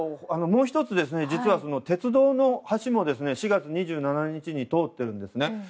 もう１つ、実は鉄道の橋も４月２７日に通っているんです。